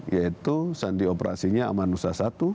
yaitu sandi operasinya amanusa i